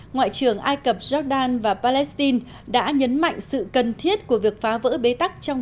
ngoại trưởng ai cập jordan và palestine đã nhấn mạnh sự cần thiết của việc phá vỡ bế tắc trong